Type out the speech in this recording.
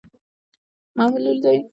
معلول دی.